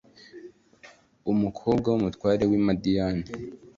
umukobwa w’umutware w’i madiyani.